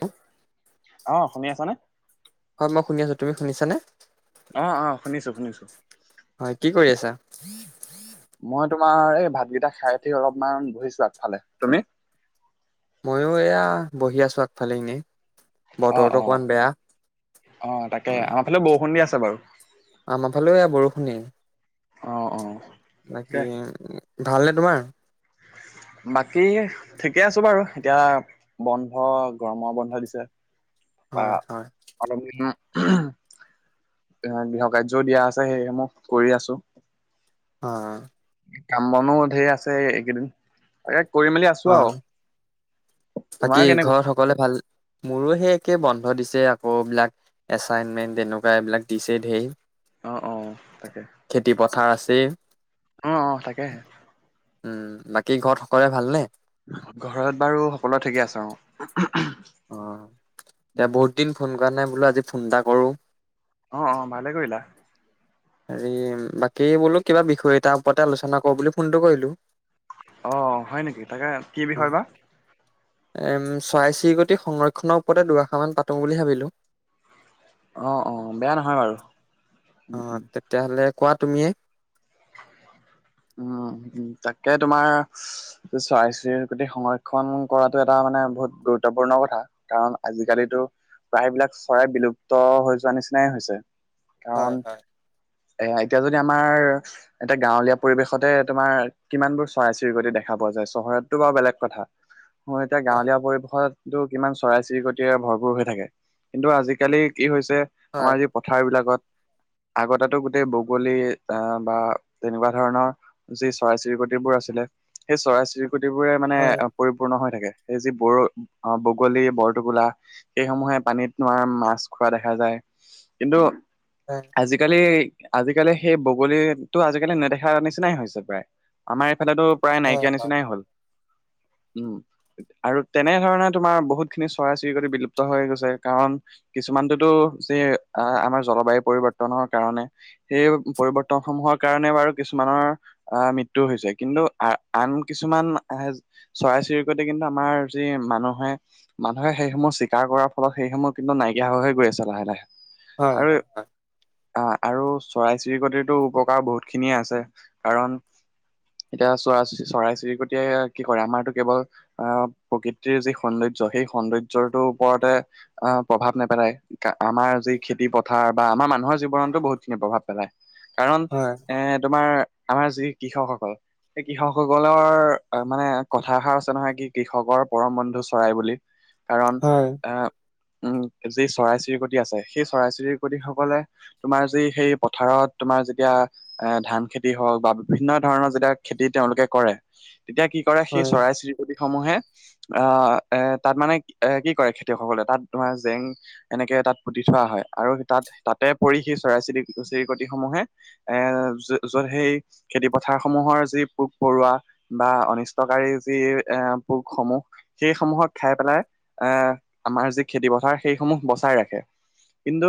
হ অ' শুনি আছনে? হয় মই শুনি আছো তুমি শুনিছানে? অ' অ' শুনিছোঁ শুনিছোঁ। হয় কি কৰি আছা? মই তোমাৰ এই ভাতকেইটা খাই উঠি অলপমান বহিছো, আগফালে তুমি?? ময়ো এয়া বহি আছোঁ আগফালেনে? অ বতৰটো অ অকণমান অ তাকে বেয়া। আমাৰ বৰষুণ আছে বাৰু আমাৰ ফালেও এয়া বৰষুণেই অ অ তাকে বাকী ভালনে তোমাৰ? বাকী ঠিকে আছো বাৰু এতিয়া। বন্ধ, গৰমৰ বন্ধ দিছে। বা হয়, হয়। [unintelligible] এ গৃহ কাৰ্যও দিয়া আছে, সেইসমূহ কৰি আছো। অ'। কাম বনো ঢেৰ আছে এইকেইদিন। আৰে কৰি মেলি আছো অ আৰু, বাকী তোমাৰ কেনেকু ঘৰত সকলোৱে ভাল মোৰো সেই একে বন্ধ দিছে আকৌ, এইবিলাক এচাইনমেণ্ট তেনেকুৱা এইবিলাক দিছে ঢেৰ। অ', অ', তাকে। খেতি পথাৰ আছেই অ', অ', তাকেহে। উম, বাকী ঘৰত সকলোৱে ভালনে? ঘৰত বাৰু সকলোৱে ঠিকে আছে, অ'। অ', এতিয়া বহুত দিন ফোন কৰা নাই বোলো, আজি ফোন এটা কৰো। অ', অ', ভালে কৰিলা। [inaudible] হেৰি বাকী, বোলো কিবা বিষয় এটাৰ ওপৰতে আলোচনা কৰো বুলি ফোনটো কৰিলো। অ', হয় নেকি, তাকে কি অ বিষয় বা? এম চৰাই-চিৰিকটি সংৰক্ষনৰ ওপৰতে দুআষাৰ মান পাতো বুলি ভাবিলো। অ', অ', বেয়া নহয় বাৰু। অ', উম তেতিয়াহ'লে কোৱা তুমিয়ে। উম, তাকে তোমাৰ চৰাই-চিৰিকটি প্ৰতি সংৰক্ষণ কৰাটো এটা মানে বহুত গুৰুত্বপূৰ্ণ কথা। কাৰণ আজিকালিতো, প্ৰায়বিলাক চৰাই বিলুপ্ত হৈ যোৱা নিচিনাই হৈছে। কাৰণ হয় হয় এ এতিয়া যদি আমাৰ, এতিয়া গাঁৱলীয়া পৰিৱেশতে তোমাৰ কিমান বোৰ চৰাই-চিৰিকতি দেখা পোৱা যায়, চহৰতটো বাৰু বেলেগ কথা। মোৰ এতিয়া হয় গাঁৱলীয়া পৰিৱেশত কিন্তু কিমান চৰাই চিৰিকটিৰে ভৰপৰ হৈ থাকে, কিন্তু আজিকালি কি হৈছে, আমাৰ যি পথাৰ বিলাকত, আগতেটো গোটেই বগলী আহ বা তেনেকুৱা ধৰণৰ যি চৰাই-চিৰিকটিবোৰ আছিলে, সেই চৰাই-চিৰিকটিবোৰে মানে হয় পৰিপূৰ্ণ হৈ থাকে, সেই যি বড়-বগলী, বৰটোকোলা সেইসমূহে পানীত নোৱাৰা মাছ খোৱা দেখা যায়, কিন্তু হয়। আজিকালি, আজিকালি সেই বগলীটো আজিকালি নেদেখ নিচিনাই হৈছে প্ৰায়, আমাৰ এইফালেতো প্ৰায় হয় নাইকিয়া নিচিনাই হ'ল, উম। আৰু তেনেধৰণে তোমাৰ বহুত খিনি চৰাই-চিৰিকটি বিলুপ্ত হৈ গৈছে, কাৰণ কিছুমানটোতো যে, আমাৰ জলবায়ু পৰিৱৰ্তনৰ কাৰণে। সেই পৰিবৰ্তন সমূহৰ কাৰণে বাৰু কিছুমানৰ আহ মৃত্যু হৈছে, কিন্তু আ-আন কিছুমান আহে চৰাই-চিৰিকটি কিন্তু আমাৰ যি মানুহে মানুহে সেইসমূহ চীকাৰ কৰাৰ ফলত, সেইসমূহ কিন্তু নাইকিয়া হৈ গৈ আছে লাহে লাহে। হয় আৰু হয় অ', আৰু চৰাই-চিৰিকটিতো উপকাৰ বহুত খিনি খিনিয়ে আছে, কাৰণ এতিয়া চৰা-চৰাই-চিৰিকটিয়ে কি কৰে, আমাৰতো কেৱল আহ প্ৰকৃতিৰ যি সৌন্দৰ্য, সেই সৌন্দৰ্যটোৰ ওপৰতে আহ প্ৰভাৱ নেপেলায়। আমাৰ যি খেতি পথাৰ বা আমাৰ মানুহৰ জীৱনতো বহুতখিনি প্ৰভাৱ পেলায়, কাৰণ হয়। এ তোমাৰ, আমাৰ যি কৃষকসকল এই কৃষকসকলৰ মানে কথা এষাৰ আছে নহয়, কি কৃষকৰ পৰম বন্ধু চৰাই বুলি। কাৰণ হয় আহ উম, যি চৰাই-চিৰিকটি আছে সেই চৰাই-চিৰিকটি সকলে তোমাৰ যি সেই পথাৰত, তোমাৰ যেতিয়া এ ধান খেতি হওঁক বা বিভিন্ন ধৰণৰ যেতিয়া খেতি তেওঁলোকে কৰে। তেতিয়া কি কৰে সেই হয় চৰাই-চিৰিকতিসমূহে অহ, এ তাত মানে এ কি কৰে খেতিয়কসকলে তাত তোমাৰ জেং এনেকে তাত পুতি থোৱা হয় আৰু তাত তাতে পৰি সেই চৰাই-চিৰিক-চিৰিকটিসমূহে এ যত সেই খেতি পথাৰসমূহৰ যি পোক-পৰুৱা বা অনিষ্টকাৰী যি এ পোকসমূহ সেইসমূহক খায় পেলাই অহ, আমাৰ যি খেতি পথাৰ সেই সমূহ বচাই ৰাখে। কিন্তু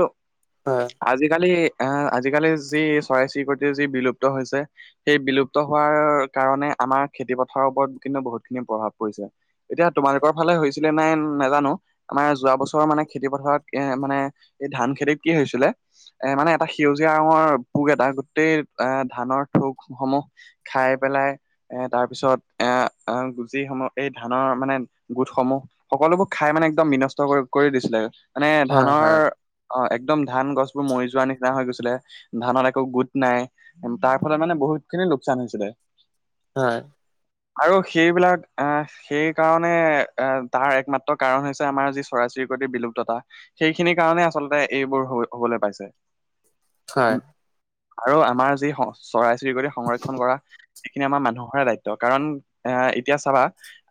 হয়। আজিকালি অহ, আজিকালি যি চৰাই-চিৰিকতি যি বিলুপ্ত হৈছে। সেই বিলুপ্ত হোৱাৰ কাৰণে আমাৰ খেতি পথাৰৰ ওপৰত কিন্তু বহুতখিনি প্ৰভাৱ পৰিছে। এতিয়া তোমালোকৰ ফালে হৈছিলে নাই নাজানোঁ। আমাৰ যোৱা বছৰৰ মানে খেতি পথাৰত এ মানে এই ধান খেতিত কি হৈছিলে। এ মানে এটা সেউজীয়া ৰঙৰ পোক এটা গোটেই এ ধানৰ ঠোকসমূহ খায় পেলাই এ তাৰপিছত এ গুজিসমূহ এই ধানৰ মানে গোটসমূহ। সকলোবোৰ খাই মানে একদম বিনষ্ট কৰি-কৰি দিছিলে। মানে হয় হয় ধানৰ অহ একদম ধান গছবোৰ মৰি যোৱা নিচিনা হৈ গৈছিলে। ধানত একো গোট নাই, তাৰফলত মানে বহুতখিনি লোকচান হৈছিলে। হয়। আৰু সেইবিলাক অহ সেই কাৰণে এ তাৰ একমাত্ৰ কাৰণ হৈছে আমাৰ যি চৰাই-চিৰিক বিলুপ্ততা। সেইখিনিৰ কাৰণে আচলতে এইবোৰ হ'ব-হ'বলৈ পাইছে। হয়। আৰু আমাৰ যি চৰাই-চিৰিকতি সংৰক্ষন কৰা। সেইখিনি আমাৰ মানুহৰে দায়িত্ব, কাৰণ এ-এতিয়া চাবা।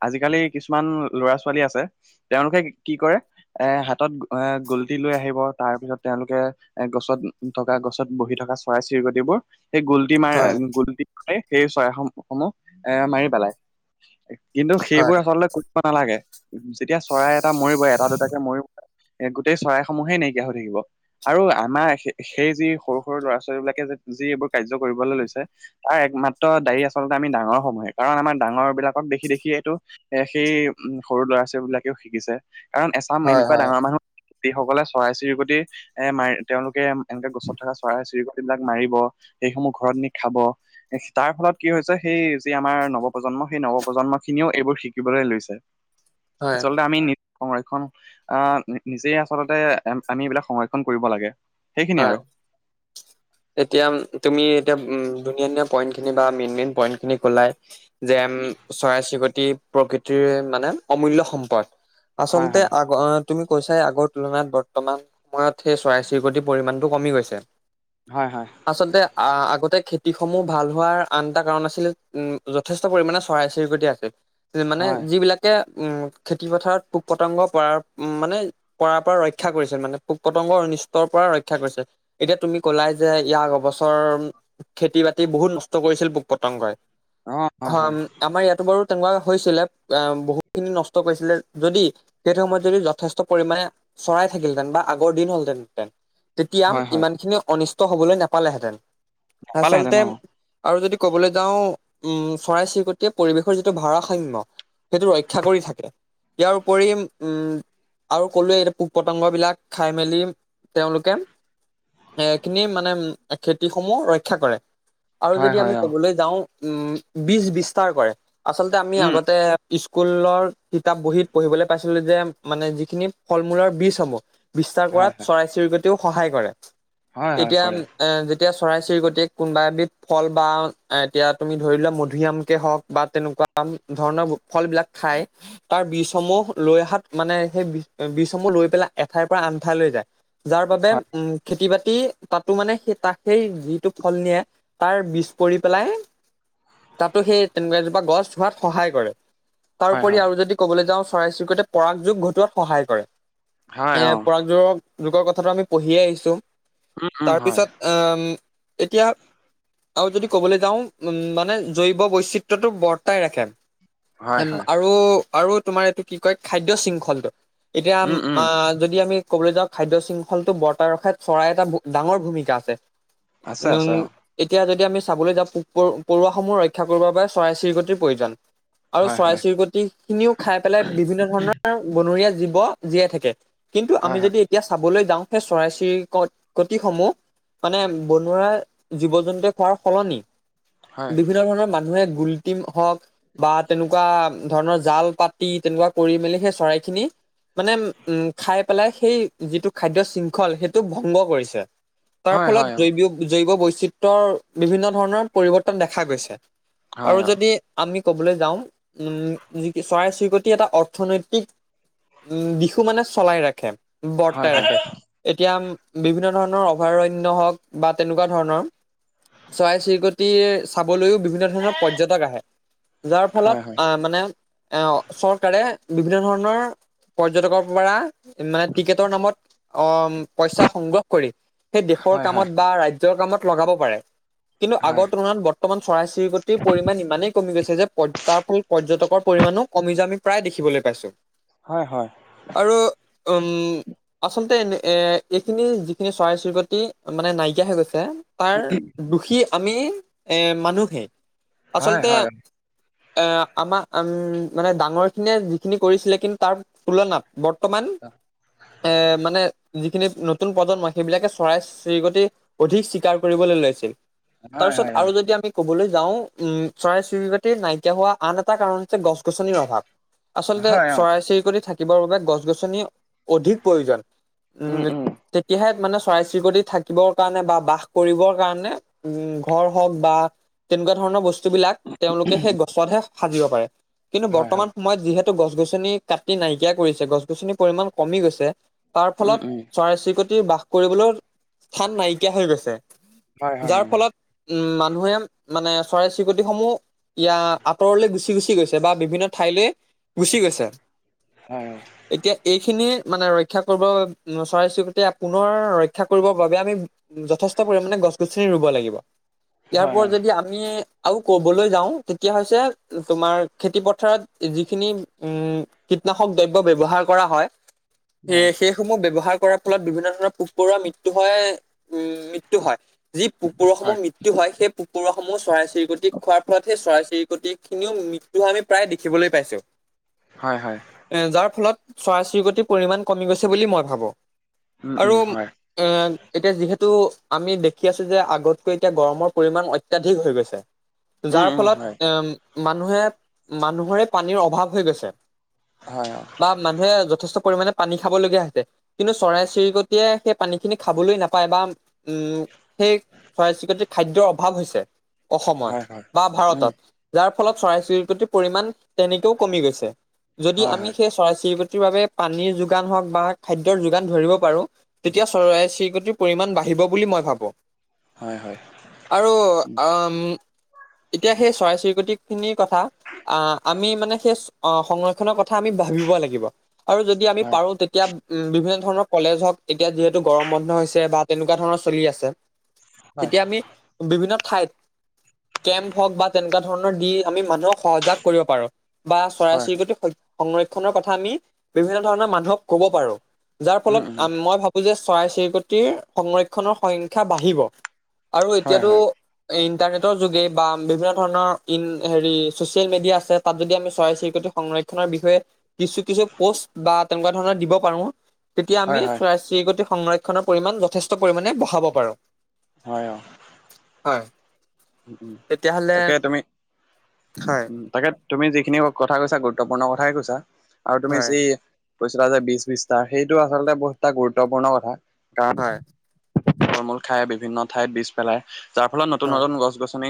আজিকালি কিছুমান ল'ৰা-ছোৱালী আছে তেওঁলোকে কি কৰে। এ হাতত এ গলটি লৈ আহিব তাৰপিছত তেওঁলোকে এ গছত থকা গছ তাত বহি থকা চৰাই-চিৰিকটিবোৰ সেই গল্টি মাৰ হয় গল্টি সেই চৰাইসমূহৰ এ মাৰি পেলাই, কিন্তু হয় সেইবোৰ আচলতে নালাগে, যেতিয়া চৰাই এটা মৰিব এটা দুটাকে মৰিব। এ গোটেই চৰাইসমূহে নাইকিয়া হৈ থাকিব আৰু আমাৰ সে-সেই যি সৰু-সৰু ল'ৰা-ছোৱালীবলাকে যি এইবোৰ কাৰ্য কৰিবলৈ লৈছে। তাৰ একমাত্ৰ দায়ী আচলতে আমি ডাঙৰসমূহে কাৰণ আমাৰ ডাঙৰবিলাকক দেখি-দেখি এইটো এ সেই সৰু ল'ৰা-ছোৱালীবিলাকেও শিকিছে। কাৰণ হয় এচাম হয় হয় এনেকুৱা হয় ডাঙৰ মানুহ যিসকলে চৰাই-চিৰিকতি এ মাৰি তেওঁলোকে এনেকে গছত থকা চৰাই-চিৰিকটবিলাক মাৰিব, সেইসমূহ ঘৰত নি খাব। তাৰফলত কি হৈছে, সেই যি আমাৰ নৱপ্ৰজন্ম সেই নৱপ্ৰজন্মখিনিও এইবোৰ শিকিবলৈ লৈছে। [unintelligible] আচলতে আমি নি সংৰক্ষন অহ, নিজেই আচলতে আমি এইবিলাক সংৰক্ষন কৰিব লাগে। সেইখিনিয়ে হয়। আৰু। এতিয়া তুমি এতিয়া উম, ধুনীয়া-ধুনীয়া পইন্টখিনি বা মেইন-মেইন পইণ্টখিনি কলাই। যে আমি চৰাই-চিৰিকতি প্ৰকৃতিৰ মানে অমূল্যয় সম্পদ। হয় আচলতে হয় অহ, তুমি কৈছাই আগৰ তুলনাত বৰ্তমান সময়ত সেই চৰাই-চিৰিকতি পৰিমাণটো কমি গৈছে। হয়, হয়। আচলতে আ-আগতে খেতিসমূহ ভাল হোৱাৰ আন এটা কাৰণ আছিলে উম, যথেষ্ট। ষথেষ্ট পৰিমাণে চৰাই-চিৰিকট আছিল, মানে হয় যিবিলাক উম খেতি পথাৰত পোক পতংগ পৰাৰ উ মানে কৰাৰ পৰা ৰক্ষা কৰিছিল মানে, পোক পতংগ অনিষ্টৰ পৰা ৰক্ষা ৰক্ষা কৰিছে, এতিয়া তুমি কলাই যে ইয়াৰ অবছৰ খেতি বাতি বহুত নষ্ট কৰিছিল পোক পতংগই অ হয় হয় আমাৰ ইয়াটো বাৰু তেনেকুৱা হৈছিলে অ, বহুত খিনি নষ্ট কৰিছিলে যদি, সেই সময়ত যদি যথেষ্ট পৰিমাণে চৰাই থাকিলহেতেন বা আগৰ দিন হলহেঁতেন তেতিয়া, হয় হয় ইমানখিনি অনিষ্ট হবলৈ নাপালেহেঁতেন, আচলতে নাপালেহেঁতেন অ আৰু যদি ক'বলৈ যাওঁ উম চৰাই চিৰিকটিয়ে পৰিৱেশৰ যিটো ভাৰাসাম্য সেইটো ৰক্ষা কৰি থাকে, ইয়াৰপৰি উম, আৰু ক'লোৱে এই পোক পতংগবিলাক খাই মেলি তেওঁলোকে এ খিনি মানে, খেতি সমূহ ৰক্ষা কৰে আৰু হয় যদি আমি হয় অ ক'বলৈ যাওঁ উম বীজ বিস্তাৰ কৰে, আচলতে আমি উম আগতে স্কুলৰ কিতাপ বহীত পঢ়িবলৈ পাইছিলো যে, মানে যিখিনি ফল মূলৰ বীজ হ'ব বিস্তাৰ হয় কৰাত হয় চৰাই চিৰিকটিও সহায় কৰে হয় হয় এতিয়া কৰে এ এতিয়া চৰাই চিৰিকটিয়ে কোনোবা এবিধ ফল বা এতিয়া তুমি ধৰি লোৱা মধুৰিআমকে হওঁক বা তেনেকুৱা ধৰণৰ ফলবিলাক খায় তাৰ বীজসমূহ লৈ অহাত মানে সেই বীজসমূহ লৈ পেলাই, এঠাইৰ পৰা আন ঠাই লৈ যায়। যাৰ বাবে হয় উম খেতি বাতি তাতো মানে সেই তাক সেই যিটো ফল নিয়ে তাৰ বীজ পৰি পেলাই তাতো সেই তেনেকুৱা এজোপা গছ হোৱাত সহায় কৰে। হয় তাৰোপৰি হয় আৰু যদি ক'বলৈ যাওঁ চৰাই চিৰকটিয়ে পৰাগ যোগ ঘটোৱাত সহায় কৰে। হয় অ এ পৰাগ যুগৰ, যুগৰ কথাটো আমি পঢ়িয়ে আহিছো উম উম তাৰ হয় পিছত উম, এতিয়া আৰু যদি ক'বলৈ যাওঁ উম, মানে জৈৱ বৈচিত্ৰটো বৰ্তাই ৰাখে হয় উম, হয় আৰু, আৰু তোমাৰ এইটো কি কয় খাদ্য শৃংখলটো এতিয়া উম উম যদি আমি ক'বলৈ যাওঁ খাদ্য শৃংখল ফলটো বৰ্তাই ৰখাত চৰাই এটাৰ ডাঙৰ ভূমিকা আছে। আছে আছে উম, অ এতিয়া যদি আমি চাবলৈ যাওঁ পোক পৰুৱাসমূহ ৰক্ষা কৰিবৰ বাবে চৰাই চিৰিকটিৰ প্ৰয়োজন। আৰু হয় চৰাই হয় চিৰিকটি খিনিও খাই পেলাই, বিভিন্ন ধৰণৰ বনৰীয়া জীৱ জীয়াই থাকে। কিন্তু, হয় আমি যদি এতিয়া চাবলৈ যাওঁ সেই চৰাই চিৰিকটিসমূহ মানে বনৰীয়া জীৱ জন্তুৱে খোৱাৰ সলনি হয় বিভিন্ন ধৰণৰ মানুহে গুলটিম হওক বা তেনেকুৱা ধৰণৰ জাল পাতি, তেনেকুৱা কৰি মেলি সেই চৰাই খিনি মানে উম, খাই পেলাই সেই যিটো খাদ্য শৃংখল, সেইটো ভংগ কৰিছে তাৰ হয় হয় ফলত হয় অ জৈৱ জৈৱ বৈচিত্ৰ ত্ৰৰ বিভিন্ন ধৰণৰ পৰিৱৰ্তন দেখা গৈছে, হয় আৰু অ যদি আমি ক'বলৈ যাওঁ উম, যি চৰাই চিৰিকটি এটা অৰ্থনৈতিক উম, দিশো মানে চলাই ৰাখে, হয় বৰ্তাই হয় ৰাখে এতিয়া বিভিন্ন ধৰণৰ অভয়াৰণ্য হওঁক, বা তেনেকুৱা ধৰণৰ চৰাই চিৰিকটিয়ে চাবলৈও বিভিন্ন ধৰণৰ পৰ্যটক আহে, যাৰ হয় হয় ফলত আহ মানে চৰকাৰে বিভিন্ন ধৰণৰ পৰ্যটকৰ পৰা, মানে টিকেটৰ নামত অহ পইচা সংগ্ৰহ কৰি সেই দেশৰ হয় হয় কামত বা ৰাজ্যৰ কামত লগাব পাৰে। কিন্তু, হয় আগৰ তুলনাত বৰ্তমান চৰাই চিৰিকটিৰ পৰিমাণ ইমানেই কমি গৈছে যে, তাৰ ফল পৰ্যতকৰ পৰিমাণো কমি যোৱা আমি প্ৰায় দেখিবলৈ পাইছোঁ। হয় হয়। আৰু উম আচলতে এ, এইখিনি যিখিনি চৰাই চিৰিকটি মানে নাইকিয়া হৈ গৈছে, তাৰ দোশী আমি এ মানুহে, হয় আচলতে হয় এ আমাৰ উম মানে, ডাঙৰখিনিয়ে যিখিনি কৰিছিলে কিন্তু, তাৰ তুলনাত বৰ্তমান এ মানে যিখিনি নতুন প্ৰজন্মই সেইবিলাকে চৰাই চিৰিকতি অধিক স্বীকাৰ কৰিবলৈ লৈছিল। হয় তাৰপিছত হয় অ আৰু যদি আমি ক'বলৈ যাওঁ উম চৰাই চিৰিকটি নাইকিয়া হোৱা আন এটা কাৰণ হৈছে গছ গছনিৰ অভাৱ। আচলতে হয় অ চৰাই চিৰিকটি থাকিবৰ বাবে গছ গছনি অধিক প্ৰয়োজন। উম, তেতিয়াহে মানে চৰাই চিৰিকটি থাকিবৰ কাৰণে বা বাস কৰিবৰ কাৰণে উম, ঘৰ হওঁক বা তেনেকুৱা ধৰণৰ বস্তুবিলাক তেওঁলোকে সেই গছতহে সাজিব পাৰে। কিন্তু হয় হয় বৰ্তমান সময়ত যিহেতু ত' গছ গছনি কাটি নাইকিয়া কৰিছে গছ গছনিৰ পৰিমণ কমি গৈছে। তাৰ উম ফলত উম চৰাই চিৰিকটি বাস কৰিবলৈ স্থান নাইকিয়া হৈ গৈছে। হয় হয় অ যাৰ ফলত মানুহে মানে চৰাই চিৰিকটিসমূহ ইয়া আঁতৰলে গুচি গুচি গৈছে বা বিভিন্ন ঠাইলৈ গুচি গৈছে। হয়। এতিয়া এইখিনি মানে ৰক্ষা কৰিব চৰাই চিৰিকটি পুনৰ ৰক্ষা কৰিবৰ বাবে আমি যথেষ্ট পৰিমানে গছ গছনি ৰুব লাগিব। ইয়াৰ হয় অ ওপৰত যদি আমি আৰু ক'বলৈ যাওঁ তেতিয়া হৈছে তোমাৰ খেতি পথাৰত যিখিনি উম কীটনাশক দ্ৰব্য ব্যৱহাৰ কৰা হয়। হয় সেই সেইসমূহ ব্যৱহাৰ কৰাৰ ফলত বিভিন্ন ধৰণৰ পোক পৰুৱা মৃত্যু হয় উম মৃত্যু হয়। যি পোক হয় পৰুৱাসমূহ মৃত্যু হয় সেই পোক সমূহ চৰাই চিৰিকটি খোৱাৰ ফলত সেই চৰাই চিৰিকটিখিনিও মৃত্যু হয় আমি প্ৰায় দেখিবলৈ পাইছো। [inaudible] হয়, হয়। এ যাৰ ফলত চৰাই চিৰিকতিৰ পৰিমণ কমি গৈছে বুলি মই ভাবো উম আৰু উম হয় এ এতিয়া যিহেতু আমি দেখি আছো যে আগতকৈ এতিয়া গৰমৰ পৰিমাণ অত্যাধিক হৈ গৈছে। উম যাৰ উম হয় ফলত এ মানুহে মানুহৰে পানীৰ অভাৱ হৈ গৈছে। হয়, অ'। বা মানুহে যথেষ্ট পৰিমাণে পানী খাবলগীয়া হৈছে। কিন্তু চৰাই চিৰিকটিয়ে সেই পানীখিনি খাবলৈ নাপায় বা উম সেই চৰাই চিৰিকতি খাদ্যৰ অভাৱ হৈছে হয় অসমত হয় বা উম ভাৰতত। যাৰ ফলত চৰাই চিৰিকতিৰ পৰিমাণ তেনেকেও কমি গৈছে। যদি হয় আমি হয় সেই চৰাই চিৰিকটিৰ বাবে পানীৰ যোগান হওঁক বা খাদ্যৰ যোগান ধৰিব পাৰো। তেতিয়া চৰাই চিৰিকটিৰ পৰিমাণ বাঢ়িব বুলি মই ভাবোঁ। হয়, হয়। আৰু উম আম এতিয়া সেই চৰাই চিৰিকটিখিনিৰ কথা আহ আমি মানে সেই সংৰক্ষণৰ কথা আমি ভাবিব লাগিব আৰু যদি আমি হয় পাৰো তেতিয়া উম বিভিন্ন ধৰণৰ কলেজ হওঁক তেতিয়া যিহেতু গৰম বন্ধ হৈছে বা তেনেকুৱা ধৰণৰ চলি আছে। হয় তেতিয়া আমি বিভিন্ন ঠাইত কেম্প হওঁক বা তেনেকুৱা ধৰণৰ দি আমি মানুহক সজাগ কৰিব পাৰো। বা চৰাই হয় হয় চিৰিকটি সংৰক্ষনৰ কথা আমি বিভিন্ন ধৰণৰ মানুহক ক'ব পাৰো। যাৰ উম ফলত উম মই ভাবো যে চৰাই চিৰিকটিৰ সংৰক্ষণৰ সংখ্যা বাঢ়িব। আৰু হয় এতিয়াতো হয় ইণ্টাৰনেটৰ যোগে বা বিভিন্ন ধৰণৰ ইন হেৰি চচিয়েল মিডিয়া আছে তাত যদি আমি চৰাই চিৰিকটি সংৰক্ষ বিষয়ে কিছু কিছু প'ষ্ট বা তেনেকুৱা ধৰণৰ দিব পাৰো তেতিয়া হয় আমি হয় চৰাই চিৰিকতি সংৰক্ষণৰ পৰিমাণ যথেষ্ট পৰিমাণে বঢ়াব পাৰো। হয়, অ'। হয়। উম, উম তেতিয়াহ'লে তাকে তুমি হয় উম। তাকে তুমি যিখিনি কথা কৈছা গুৰুত্বপূৰ্ণ কথাই কৈছা আৰু তুমি হয় যি কৈছিলা যে বিশ বিশটা সেইটো আচলতে বহুত এটা গুৰুত্বপূৰ্ণ কথা। কাৰণ হয় ফল মূল খাই বিভিন্ন ঠাইত বীজ পেলাই, যাৰ ফলত নতুন হয় নতুন গছ গছ-গছনি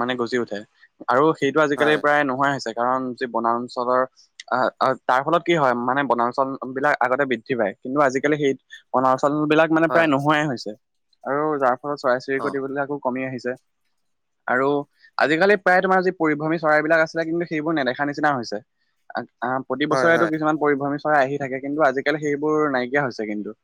মানে গজি উঠে, আৰু সেইটো আজিকালি হয় প্ৰায় নোহোৱা হৈছে। কাৰণ, যি বনাঞ্চলৰ আহ তাৰ ফলত কি হয়, মানে বনাঞ্চল বিলাক আগতে বৃদ্ধি পায়। কিন্তু, আজিকালি সেই বনাঞ্চল বিলাক মানে প্ৰায় হয় নোহোৱাই হৈছে, আৰু যাৰ ফলত অ চৰাই-চিৰিকটি বিলাকো কমি আহিছে। আৰু আজিকালি প্ৰায় তোমাৰ যি পৰিভ্ৰমী চৰাইবিলাক আছিলে, কিন্তু সেইবোৰ নেদেখা নিচিনা হৈছে। প্ৰতি হয় বছৰেতো হয় কিছুমান পৰিভ্ৰমী চৰাই আহি থাকে, কিন্তু আজিকালি সেইবোৰ নাইকিয়া হৈছে কিন্তু।